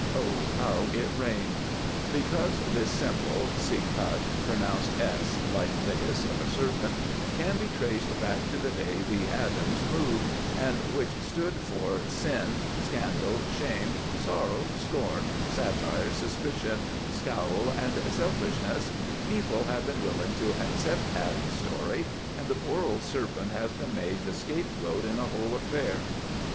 Oh, how it rained! Because this symbol (see cut), pronounced es like the hiss of a serpent, can be traced back to the day the Adams moved, and which stood for Sin, Scandal, Shame, Sorrow, Scorn, Satire, Suspicion, Scowl, and Selfishness, people have been willing to accept Adam's story, and the poor old serpent has been made the scapegoat in the whole affair.